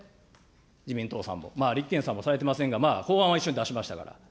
自民党さんも、立憲さんもされてませんが、法案は一緒に出しましたから。